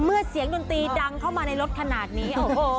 เมื่อเสียงดูดรูปดังเข้ามาในรถขนาดนี้